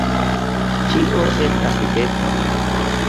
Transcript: Ĉio estas deca.